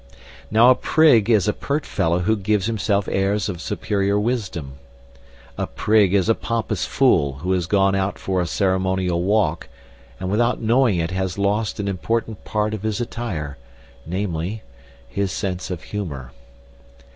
Now a prig is a pert fellow who gives himself airs of superior wisdom. A prig is a pompous fool who has gone out for a ceremonial walk, and without knowing it has lost an important part of his attire, namely, his sense of humour.